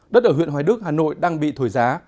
đất ở huyện hoài đức hà nội đang bị thổi giá